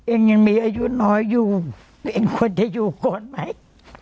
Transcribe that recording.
เองยังมีอายุน้อยอยู่ตัวเองควรจะอยู่ก่อนไหม